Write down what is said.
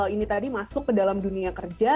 ini tadi masuk ke dalam dunia kerja